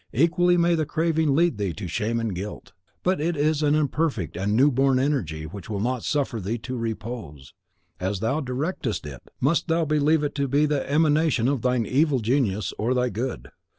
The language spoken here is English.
Equally may the craving lead thee to shame and guilt. It is but an imperfect and new born energy which will not suffer thee to repose. As thou directest it, must thou believe it to be the emanation of thine evil genius or thy good.